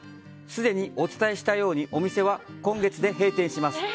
すでにお伝えしたようにお店は今月で閉店します。